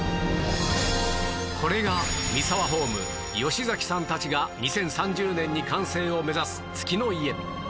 これがミサワホーム吉崎さんたちが２０３０年に完成を目指す月の家